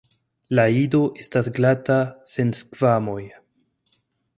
La ido estas glata sen skvamoj.